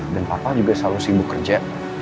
dan papa juga selalu sibuk kerja